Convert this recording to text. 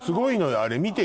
あれ見てよ